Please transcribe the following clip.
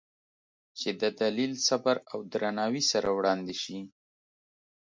چې د دلیل، صبر او درناوي سره وړاندې شي،